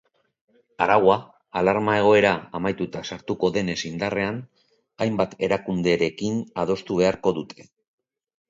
Araua, alarma-egoera amaituta sartuko denez indarrean, hainbat erakunderekin adostu beharko dute.